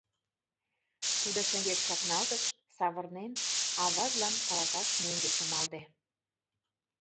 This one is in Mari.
Тудо шеҥгек чакналтыш, савырнен, аважлан каласаш мӧҥгӧ чымалте.